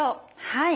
はい。